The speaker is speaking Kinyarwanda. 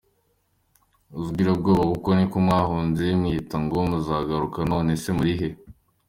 Urinzirabwoba koko niko mwahunze mwiyita ngo muzagaruka none se murihe..?